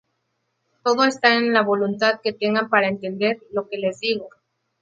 Todo está en la voluntad que tengan para entender lo que les digo".